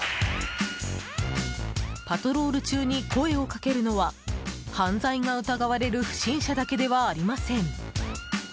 パトロール中に声をかけるのは犯罪が疑われる不審者だけではありません。